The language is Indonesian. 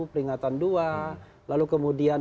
peringatan dua lalu kemudian